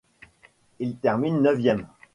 Il termine neuvième.